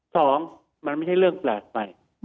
สองมันไม่ใช่เรื่องแปลกไป